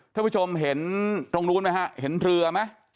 ท่านผู้ชมเห็นตรงนู้นไหมฮะเห็นเรือไหม